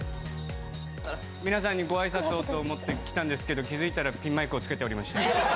皆さんにごあいさつをと思って来たんですけど、気付いたらピンマイクをつけておりました。